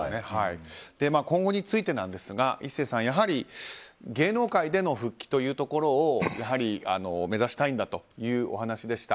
今後についてなんですが壱成さん、やはり芸能界での復帰というところを目指したいんだというお話でした。